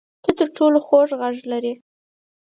ته تر ټولو خوږ غږ لرې